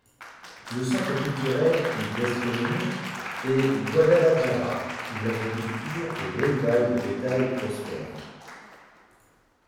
Le centre culturel et gastronomique est Guadalajara où l'agriculture et l'élevage de bétail prospèrent.